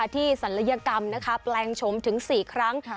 ศัลยกรรมแปลงชมถึง๔ครั้ง